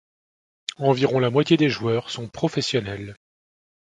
Environ la moitié des joueurs sont professionnels.